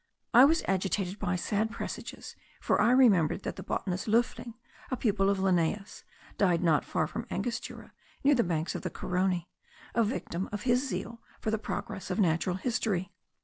I was agitated by sad presages for I remembered that the botanist Loefling, a pupil of Linnaeus, died not far from Angostura, near the banks of the Carony, a victim of his zeal for the progress of natural history.